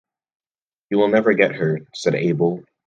"You will never get her," said Abel.